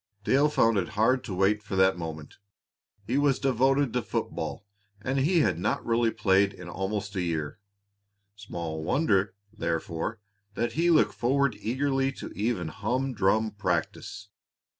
Dale found it hard to wait for that moment. He was devoted to football, and he had not really played in almost a year. Small wonder, therefore, that he looked forward eagerly to even humdrum practice.